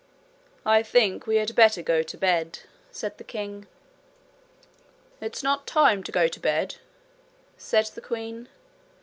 'I think we had better go to bed,' said the king. 'It's not time to go to bed,' said the queen.